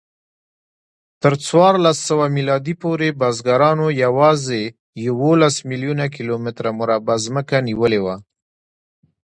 تر څوارلسسوه میلادي پورې بزګرانو یواځې یوولس میلیونه کیلومتره مربع ځمکه نیولې وه.